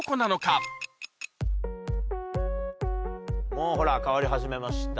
もうほら変わり始めました